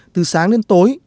từ sáng đến tối